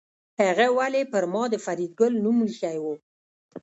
هغه ولې پر ما د فریدګل نوم ایښی و